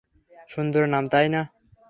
সুন্দর নাম, তাই না?